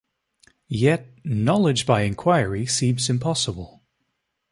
Yet, knowledge by inquiry seems impossible.